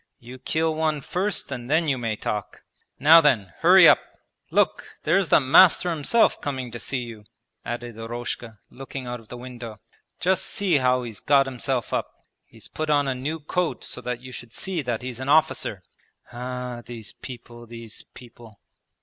You kill one first, and then you may talk. Now then, hurry up! Look, there's the master himself coming to see you,' added Eroshka, looking out of the window. 'Just see how he's got himself up. He's put on a new coat so that you should see that he's an officer. Ah, these people, these people!'